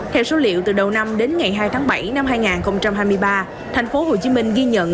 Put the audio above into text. theo số liệu từ đầu năm đến ngày hai tháng bảy năm hai nghìn hai mươi ba thành phố hồ chí minh ghi nhận